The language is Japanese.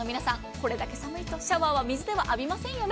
これだけ寒いとシャワーは水では浴びませんよね。